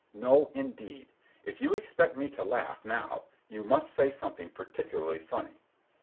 No, indeed! If you expect me to laugh, now, you must say something particularly funny."